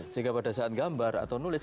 sehingga pada saat gambar atau nulis